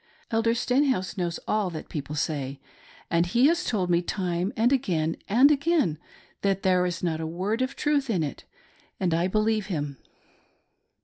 Elder Stenhouse knows all that people say, but he has told me again and again that there is. not a word of truth in it, and I believe him."